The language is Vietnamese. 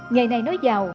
ngày nay nói giàu